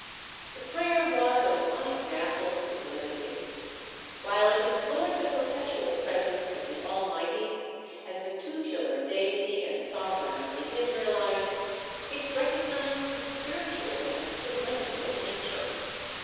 The prayer was of unexampled sublimity: while it implored the perpetual presence of the Almighty, as the tutelar Deity and Sovereign of the Israelites, it recognized his spiritual and illimitable nature.